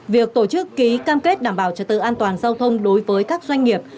việc tổ chức ký cam kết đảm bảo trật tự an toàn giao thông đối với các doanh nghiệp